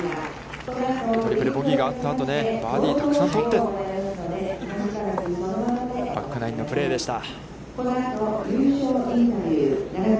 トリプル・ボギーがあったあと、バーディーをたくさん取って、バックナインのプレーでした。